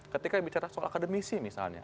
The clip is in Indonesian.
ketika bicara soal akademisi misalnya